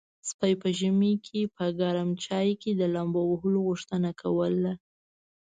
سپي په ژمي کې په ګرم چای کې د لامبو وهلو غوښتنه کوله.